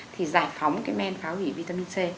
thì giải phóng cái men phá hủy vitamin c